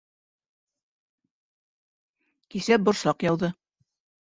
Кисә борсаҡ яуҙы